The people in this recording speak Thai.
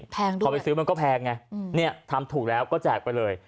พอไปซื้อมันก็แพงไงเนี่ยทำถูกแล้วก็แจกไปเลย